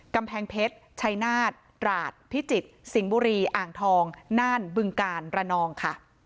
กำแพงเพชรชัยนาฏตราดพิจิตรสิงห์บุรีอ่างทองน่านบึงการระนองค่ะ